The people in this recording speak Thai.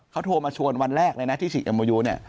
เขาโทรมาชวนวันแรกในที่ศิกยามโมยู